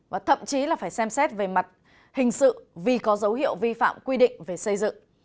và thậm chí là phải xem xét về mặt hình sự vì có dấu hiệu vi phạm quy định về xây dựng